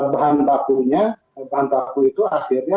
bahan bakunya bahan baku itu akhirnya